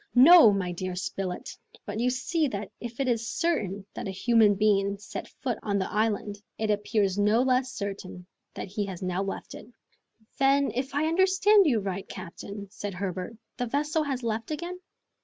"No, my dear Spilett; but you see that if it is certain that a human being set foot on the island, it appears no less certain that he has now left it." "Then, if I understand you right, captain," said Herbert, "the vessel has left again?"